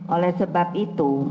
oleh sebab itu